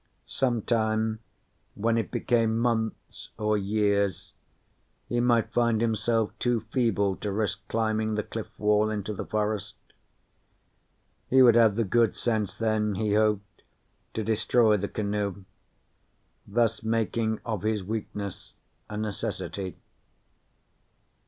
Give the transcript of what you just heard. Some time, when it became months or years, he might find himself too feeble to risk climbing the cliff wall into the forest. He would have the good sense then, he hoped, to destroy the canoe, thus making of his weakness a necessity.